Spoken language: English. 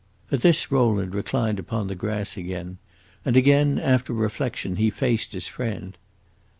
At this Rowland reclined upon the grass again; and again, after reflection, he faced his friend.